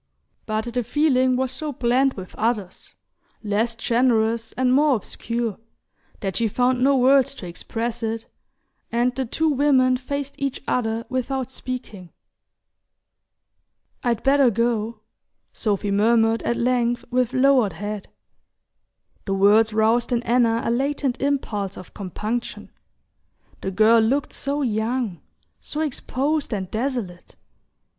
But the feeling was so blent with others, less generous and more obscure, that she found no words to express it, and the two women faced each other without speaking. "I'd better go," Sophy murmured at length with lowered head. The words roused in Anna a latent impulse of compunction. The girl looked so young, so exposed and desolate!